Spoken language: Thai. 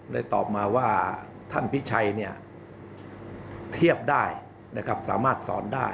ได้ตอบมาว่าท่านพิชัยเทียบได้สามารถสอนได้